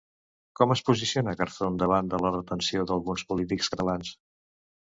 Com es posiciona Garzón davant de la retenció d'alguns polítics catalans?